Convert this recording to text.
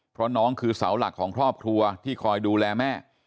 เพราะน้องคือเสาหลักของครอบครัวที่คอยดูแลแม่